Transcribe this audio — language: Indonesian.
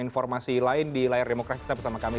informasi lain di layar demokrasi tetap bersama kami